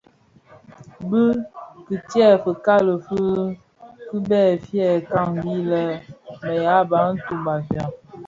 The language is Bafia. Bi kitsèè fikali fi kibèè, fyè kpaghi lè bë ya Bantu (Bafia).